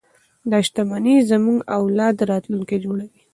دا شتمنۍ زموږ د اولاد راتلونکی جوړوي.